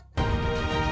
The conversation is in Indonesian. nah ini sudah hilang